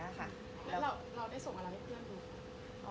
แล้วเราได้ส่งอะไรให้เพื่อนดู